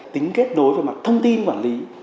tính kết đối vào mặt thông tin quản lý